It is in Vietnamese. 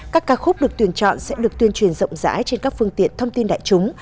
các ca khúc được tuyển chọn sẽ được tuyên truyền rộng rãi trên các phương tiện thông tin đại chúng